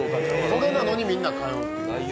それなのにみんな通ってる。